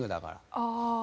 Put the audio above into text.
ああ。